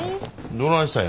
どないしたんや？